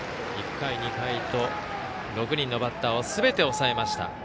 １回、２回と６人のバッターをすべて抑えました。